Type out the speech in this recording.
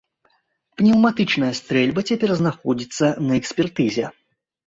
Пнеўматычная стрэльба цяпер знаходзіцца на экспертызе.